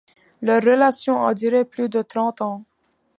Leur relation a duré plus de trente ans.